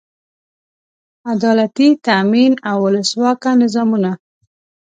عدالتي تامین او اولسواکه نظامونه.